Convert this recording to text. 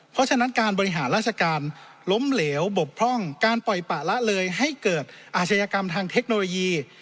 เพราะฉะนั้นการบริหารราชการล้มเหลวบกพร่องการปล่อยปะละเลยให้เกิดอาชญากรรมทางเทคโนโลยี